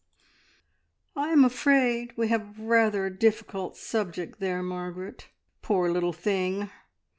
"I am afraid we have rather a difficult subject there, Margaret! Poor little thing!